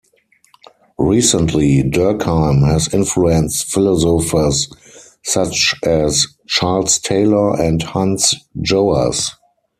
Recently, Durkheim has influenced philosophers such as Charles Taylor and Hans Joas.